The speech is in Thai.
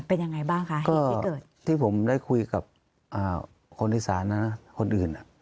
เป็นยังไงบ้างคะที่ผมได้คุยกับอ่าคนธิสารนะคนอื่นอ่ะ